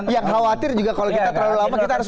yang khawatir juga kalau kita terlalu lama kita harus